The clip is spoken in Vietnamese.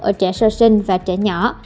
ở trẻ sơ sinh và trẻ nhỏ